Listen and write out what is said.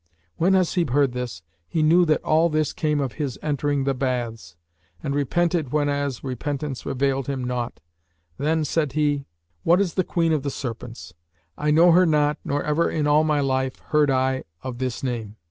When Hasib heard this, he knew that all this came of his entering the Baths, and repented whenas repentance availed him naught; then said he, "What is the Queen of the Serpents? I know her not nor ever in all my life heard I of this name."